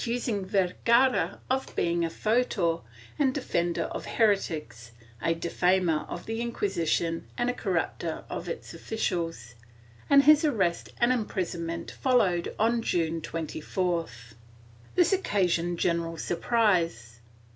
Ill] ERASMISTS 417 Vergara of being a fautor and defender of heretics, a defamer of the Inquisition and a corrupter of its officials, and his arrest and imprisonment followed on June 24th. This occasioned general surprise.